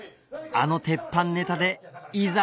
あの鉄板ネタでいざ